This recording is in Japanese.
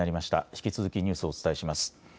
引き続きニュースをお伝えします。